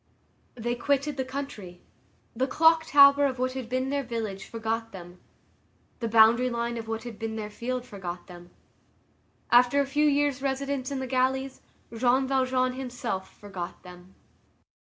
They quitted the country. The clock tower of what had been their village forgot them; the boundary line of what had been their field forgot them; after a few years' residence in the galleys, Jean Valjean himself forgot them.